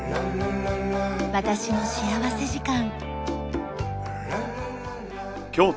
『私の幸福時間』。